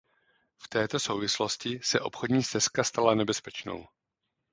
V této souvislosti se obchodní stezka stala nebezpečnou.